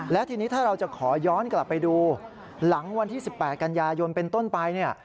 และทีนี้ถ้าเราจะขอย้อนกลับไปดูหลังวันที่๑๘กันยายนเป็นต้นไปเนี่ย